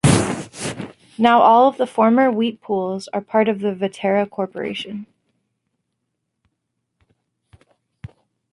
Now all the former wheat pools are part of the Viterra corporation.